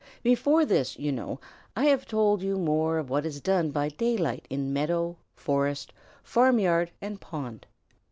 Before this, you know, I have told you more of what is done by daylight in meadow, forest, farmyard, and pond.